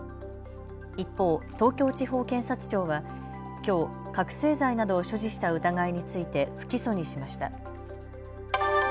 一方、東京地方検察庁はきょう覚醒剤などを所持した疑いについて不起訴にしました。